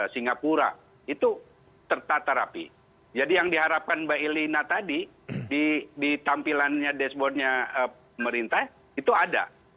singapura itu tertata rapi jadi yang diharapkan mbak elina tadi di tampilannya dashboardnya pemerintah itu ada